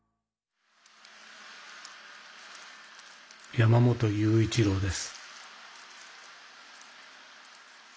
山本雄一郎です。